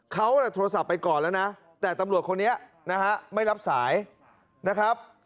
เขาโทรศัพท์ไปก่อนแล้วนะแต่ตำรวจคนนี้นะฮะไม่รับสายนะครับ